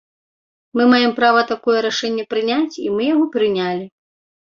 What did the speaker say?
Мы маем права такое рашэнне прыняць, і мы яго прынялі.